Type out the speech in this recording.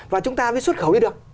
và chúng ta với xuất khẩu đi được